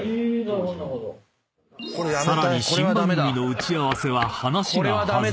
［さらに新番組の打ち合わせは話が弾み］